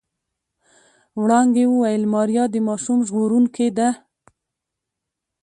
وړانګې وويل ماريا د ماشوم ژغورونکې ده.